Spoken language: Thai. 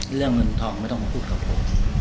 เรื่องเงินทองไม่ต้องมาพูดกับผม